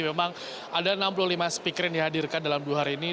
memang ada enam puluh lima speaker yang dihadirkan dalam dua hari ini